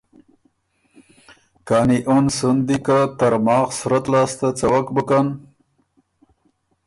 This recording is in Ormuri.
کانی اُن سُن دی خه که ترماخ صورت لاسته څَوَک بُکن